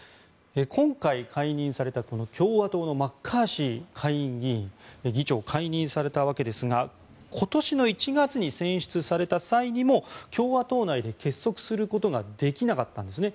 今回、解任された共和党のマッカーシー下院議員議長を解任されたわけですが今年の１月に選出された際にも共和党内で結束することができなかったんですね。